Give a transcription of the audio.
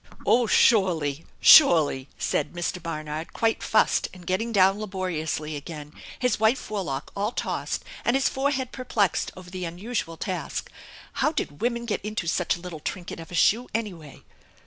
" Oh, surely, surely !" said Mr. Barnard, quite fussed and getting down laboriously again, his white forelock all tossed, and his forehead perplexed over the unusual task. How did women get into such a little trinket of a shoe, anyway?